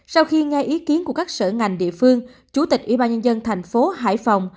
sau khi nghe ý kiến của các sở ngành địa phương chủ tịch ủy ban nhân dân thành phố hải phòng